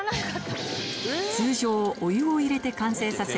通常お湯を入れて完成させる